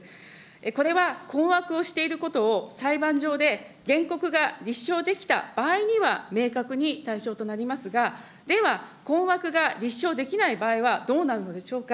これは、困惑をしていることを裁判上で原告が立証できた場合には明確に対象となりますが、では、困惑が立証できない場合はどうなるのでしょうか。